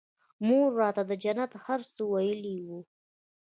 مور راته د جنت هر څه ويلي وو.